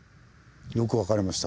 よく分かりました